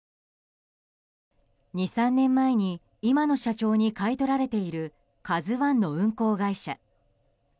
２３年前に今の社長に買い取られている「ＫＡＺＵ１」の運航会社。